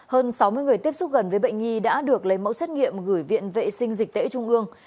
hơn sáu mươi người tiếp xúc gần với bệnh nhi đã được lấy mẫu xét nghiệm gửi viện vệ sinh dịch tễ trung ương